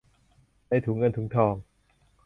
ในถุงเงินถุงทอง